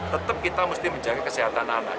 tetap kita mesti menjaga kesehatan anak